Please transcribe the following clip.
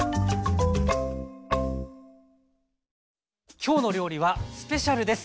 「きょうの料理」はスペシャルです！